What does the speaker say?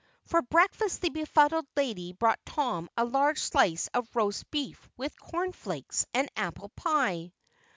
For breakfast the befuddled Lady brought Tom a large slice of roast beef with corn flakes and apple pie.